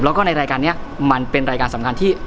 แล้วก็ในรายการนี้มันเป็นรายการสำคัญที่